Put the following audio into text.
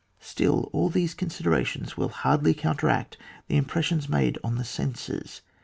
Still all these considerations will hardly counteract the impressions made on the senses.